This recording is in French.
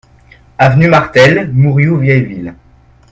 Avenue Martel, Mourioux-Vieilleville